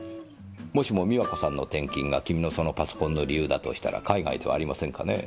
もしも美和子さんの転勤が君のそのパソコンの理由だとしたら海外ではありませんかねぇ。